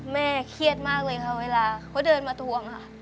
แม่เครียดมากเลยค่ะเวลาเขาเดินมาทวงค่ะ